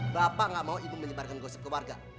bapak nggak mau ibu menyebarkan gosip ke warga